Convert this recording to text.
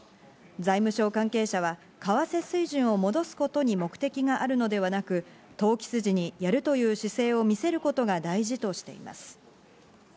財務省関係者は為替水準を戻すことに目的があるのではなく投機筋にやるという姿勢を見せることが大事としています。